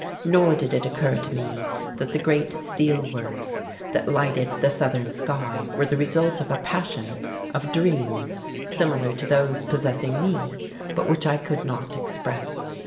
Nor did it occur to me that the great steel works that lighted the southern sky were the result of a passion, of dreams similar to those possessing me, but which I could not express.